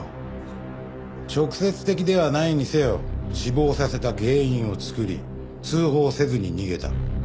直接的ではないにせよ死亡させた原因を作り通報せずに逃げた。